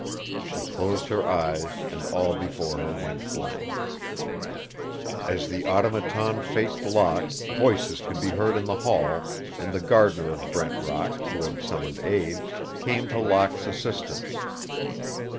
She closed her eyes and all before her went blank. As the Automaton faced Locke voices could be heard in the hall, and the gardener of Brent Rock, who had summoned aid, came to Locke's assistance.